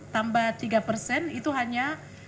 tambah tiga persen itu hanya